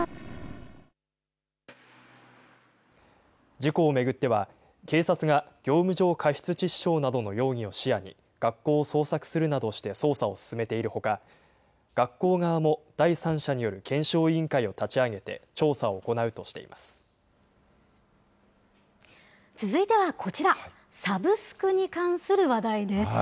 事故を巡っては、警察が業務上過失致死傷などの容疑を視野に、学校を捜索するなどして捜査を進めているほか、学校側も第三者による検証委員会を立ち上げて、調査を行うとして続いてはこちら、サブスクに関する話題です。